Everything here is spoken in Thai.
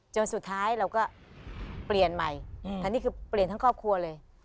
สุดท้ายเราก็เปลี่ยนใหม่อันนี้คือเปลี่ยนทั้งครอบครัวเลย